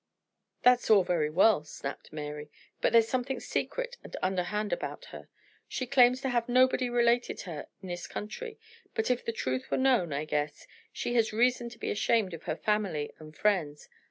"That's all very well," snapped Mary. "But there's something secret and underhand about her. She claims to have nobody related to her in this country; but if the truth were known, I guess, she has reason to be ashamed of her family and friends.